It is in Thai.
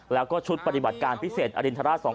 แล้วก็ชุดปฏิบัติการพิเศษอรินทราช๒๕๖